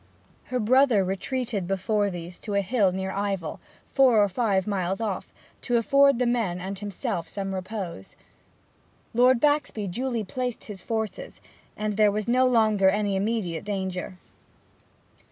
Her brother retreated before these to a hill near Ivell, four or five miles off, to afford the men and himself some repose. Lord Baxby duly placed his forces, and there was no longer any immediate danger.